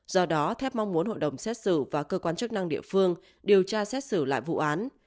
do đó thép mong muốn hội đồng xét xử và cơ quan chức năng địa phương điều tra xét xử lại vụ án